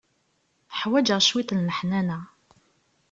Ḥwaǧeɣ cwiṭ n leḥnana.